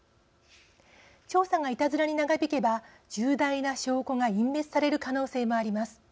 調査がいたずらに長引けば重大な証拠が隠滅される可能性もあります。